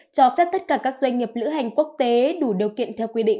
cho phép tất cả các doanh nghiệp lữ hành quốc tế đủ điều kiện theo quy định